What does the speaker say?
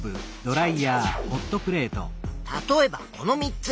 例えばこの３つ。